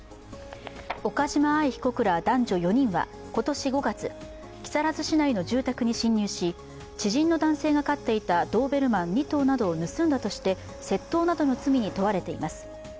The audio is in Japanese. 岡島愛被告ら男女４人は、今年５月木更津市内の住宅に侵入し、知人の男性が飼っていたドーベルマン２頭などを盗んだとして窃盗などの罪に問われています。